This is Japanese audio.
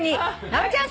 直美ちゃん